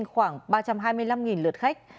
khoảng ba trăm hai mươi năm lượt khách